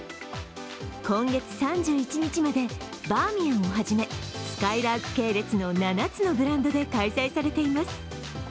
今月３１日まで、バーミヤンをはじめすかいらーく系列の７つのブランドで開催されています